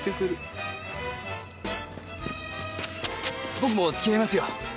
僕もつきあいますよ。